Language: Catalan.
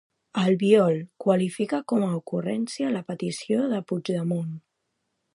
Albiol qualifica com a ocurrència la petició de Puigdemont.